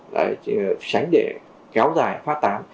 tránh để kéo dài phát tán